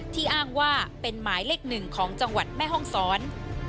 อ้างว่าเป็นหมายเลขหนึ่งของจังหวัดแม่ห้องศร